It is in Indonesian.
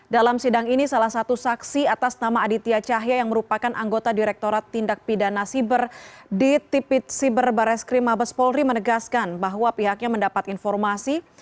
dalam sidang ini salah satu saksi atas nama aditya cahya yang merupakan anggota direktorat tindak pidana siber di tipit siber barreskrim mabes polri menegaskan bahwa pihaknya mendapat informasi